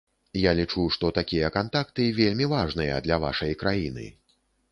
Я лічу, што такія кантакты вельмі важныя для вашай краіны.